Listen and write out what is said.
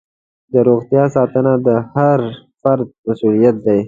د روغتیا ساتنه د هر فرد مسؤلیت دی.